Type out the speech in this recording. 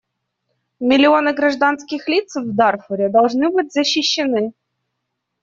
Миллионы гражданских лиц в Дарфуре должны быть защищены.